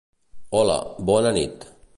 Hola, bona nit.